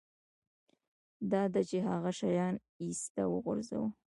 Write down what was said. دا ده چې هغه شیان ایسته وغورځوه